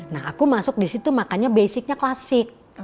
nah aku masuk disitu makanya basicnya klasik